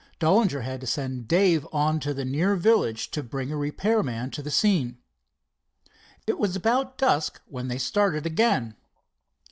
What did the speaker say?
Dollinger had to send Dave on to the near village to bring a repair man to the scene. It was about dusk when they started again.